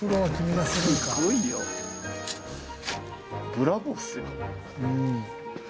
ブラボーっすよ。